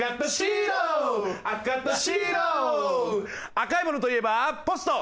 赤いものといえばポスト！